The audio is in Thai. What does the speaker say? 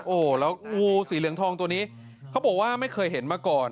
โอ้โหแล้วงูสีเหลืองทองตัวนี้เขาบอกว่าไม่เคยเห็นมาก่อน